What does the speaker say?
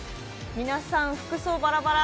皆さん、服装バラバラ。